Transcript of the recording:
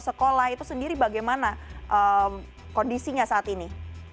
sekolah itu sendiri bagaimana kondisinya saat ini